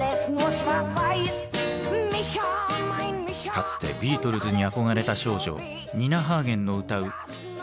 かつてビートルズに憧れた少女ニナ・ハーゲンの歌う